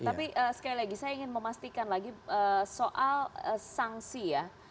tapi sekali lagi saya ingin memastikan lagi soal sanksi ya